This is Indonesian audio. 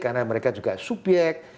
karena mereka juga subyek